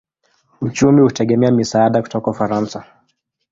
Uchumi hutegemea misaada kutoka Ufaransa.